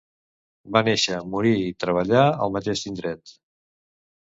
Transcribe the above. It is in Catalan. Va néixer, morir i treballar al mateix indret.